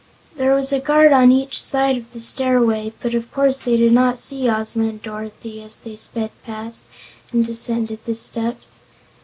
There was a guard on each side of the stairway, but of course they did not see Ozma and Dorothy as they sped past and descended the steps.